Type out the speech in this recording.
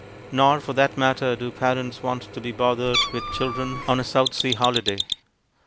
Nor for that matter do parents want to be bothered with children on a South Sea holiday.